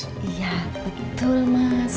iya betul mas